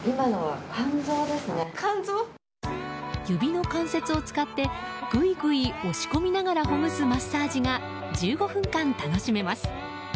指の関節を使ってぐいぐい押し込みながらほぐすマッサージが１５分間楽しめます。